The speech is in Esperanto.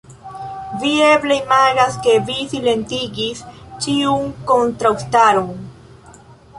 Vi eble imagas, ke vi silentigis ĉiun kontraŭstaron.